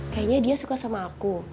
kayaknya dia suka sama aku